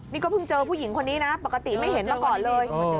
นี่ก็เพิ่งเจอผู้หญิงคนนี้นะปกติไม่เห็นมาก่อนเลย